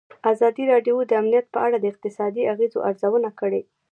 ازادي راډیو د امنیت په اړه د اقتصادي اغېزو ارزونه کړې.